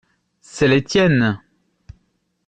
C’est les tiennes.